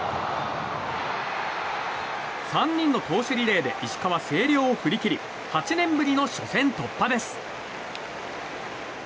３人の投手リレーで石川・星稜を振り切り８年ぶりの初戦突破です。